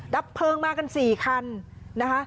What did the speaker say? ดับเพลิงมากัน๔คันนะคะ